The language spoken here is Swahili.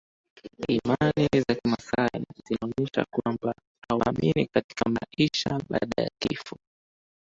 imani za kimasai zinaonyesha kwamba hawaamini katika maisha baada ya kifo